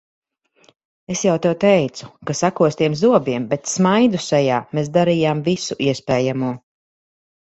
Es jau tev teicu, ka sakostiem zobiem, bet smaidu sejā mēs darījām visu iespējamo.